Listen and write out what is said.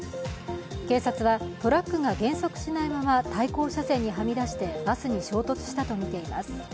警察は、トラックが減速しないまま対向車線にはみ出して、バスに衝突したとみています。